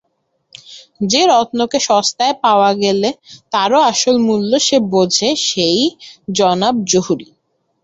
যে রত্নকে সস্তায় পাওয়া গেল তারও আসল মূল্য যে বোঝে সেই জানব জহুরি।